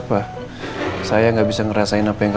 bedanya makanan saya digoreng